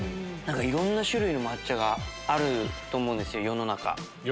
いろんな抹茶の種類があると思うんですよ世の中。